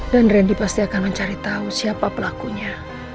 dan rendy pasti akan mencari tahu siapa pelakunya